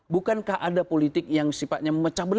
bukankah ada politik yang sifatnya mempengaruhi